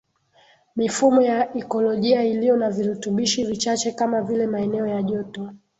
mifumo ya ikolojia iliyo na virutubishi vichache kama vile maeneo ya joto